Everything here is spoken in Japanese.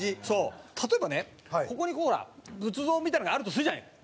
例えばねここにこうほら仏像みたいなのがあるとするじゃない。